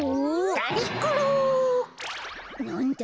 なんだ？